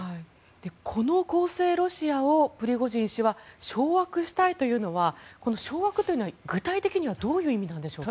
この公正ロシアをプリゴジン氏は掌握したいというのはこの掌握というのは、具体的にはどういう意味なんでしょうか？